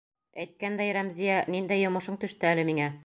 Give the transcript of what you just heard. Әйткәндәй, Рәмзиә, ниндәй йомошоң төштө әле миңә?